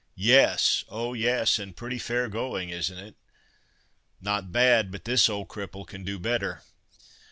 "Yes! oh, yes—and pretty fair going, isn't it?" "Not bad, but this old cripple can do better."